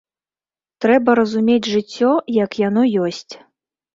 Трэба разумець жыццё, як яно ёсць.